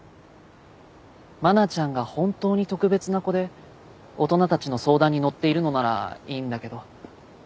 愛菜ちゃんが本当に特別な子で大人たちの相談に乗っているのならいいんだけど。